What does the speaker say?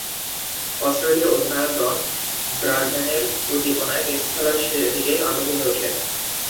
অস্ট্রেলীয় অধিনায়ক ডন ব্র্যাডম্যানের উদ্দীপনায় টেস্ট খেলার দিকে আগ্রহী হয়ে উঠেন।